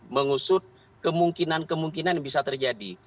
mengusut kemungkinan kemungkinan yang bisa terjadi